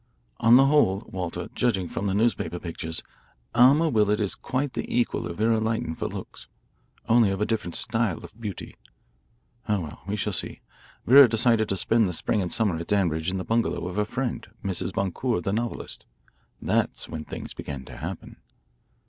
On the whole, Walter, judging from the newspaper pictures, Alma Willard is quite the equal of Vera Lytton for looks, only of a different style of beauty. Oh, well, we shall see. Vera decided to spend the spring and summer at Danbridge in the bungalow of her friend, Mrs. Boncour, the novelist. That's when things began to happen."